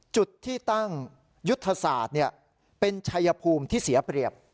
จุดที่ตั้งยุทธศาสตร์เป็นชัยภูมิที่เสียเปรียบ